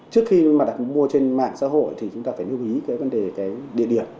trước khi mà đặt mua trên mạng xã hội thì chúng ta phải lưu ý cái vấn đề cái địa điểm